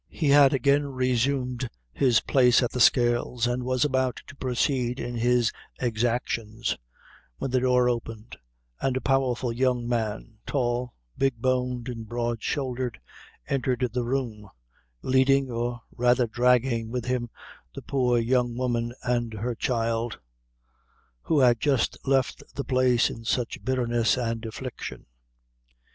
He had again resumed his place at the scales, and was about to proceed in his exactions, when the door opened, and a powerful young man, tall, big boned and broad shouldered, entered the room, leading or rather dragging with him the poor young woman and her child, who had just left the place in such bitterness and affliction.